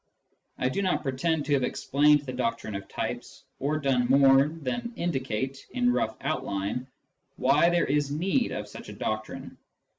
I do not pretend to have explained the doctrine of types, or done more than indicate, in rough outline, why there is need of such a doctrine.